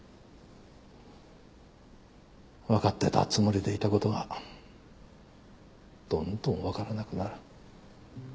分かってたつもりでいたことがどんどん分からなくなる。